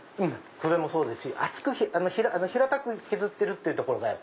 それもそうですし平たく削ってるっていうとこが。